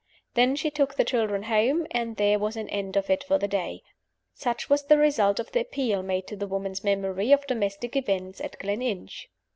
Then she took the children home; and there was an end of it for the day. Such was the result of the appeal made to the woman's memory of domestic events at Gleninch.